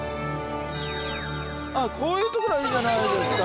ああこういうところはいいじゃないですか。